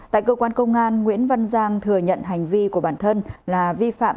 tại cơ quan công an nguyễn văn giang thừa nhận hành vi của bản thân là vi phạm